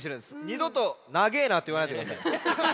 にどと「なげえな」っていわないでください。